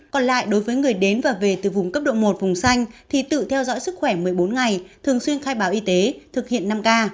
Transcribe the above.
còn lại đối với người đến và về từ vùng cấp độ một vùng xanh thì tự theo dõi sức khỏe một mươi bốn ngày thường xuyên khai báo y tế thực hiện năm k